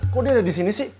kok dia ada disini sih